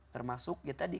termasuk ya tadi